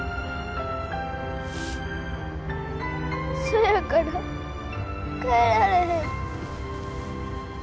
そやから帰られへん。